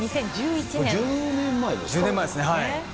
１０年前ですね。